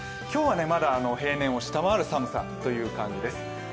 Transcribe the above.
今日はまだ平年を下回る寒さという感じです。